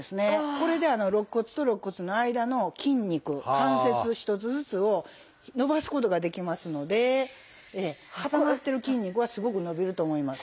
これで肋骨と肋骨の間の筋肉関節一つずつを伸ばすことができますので固まってる筋肉はすごく伸びると思います。